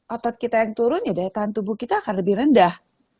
otot kita yang turun ya daya tahan tubuh kita akan lebih rendah